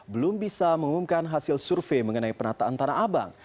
belum bisa mengumumkan hasil survei mengenai penataan tanah abang